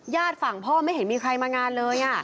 ฝั่งพ่อไม่เห็นมีใครมางานเลย